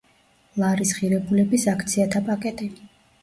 ლარის ღირებულების აქციათა პაკეტი.